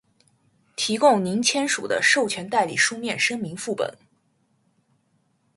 提供您签署的授权代理书面声明副本；